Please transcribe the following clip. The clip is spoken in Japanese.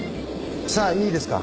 さあいいですか？